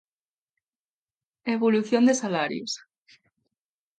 Evolución de salarios.